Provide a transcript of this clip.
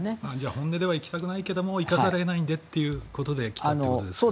本音では行きたくないんだけど行かざるを得ないということで来たということですかね。